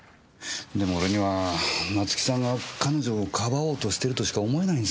でも俺には夏生さんが彼女をかばおうとしてるとしか思えないんですよねぇ。